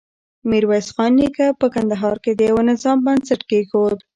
ميرويس خان نيکه په کندهار کې د يوه نظام بنسټ کېښود.